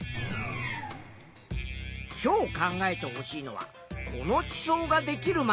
今日考えてほしいのはこの地層ができるまでの歴史だ。